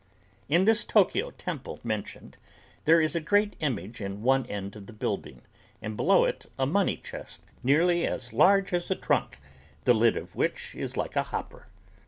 In this Tokyo temple mentioned there is a great image in one end of the building and below it a money chest nearly as large as a trunk the lid of which is like a hopper.